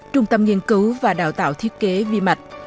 trung tâm nghiên cứu và đào tạo thiết kế vi mạch